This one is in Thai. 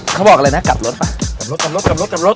เขาบอกเลยนะกลับรถไป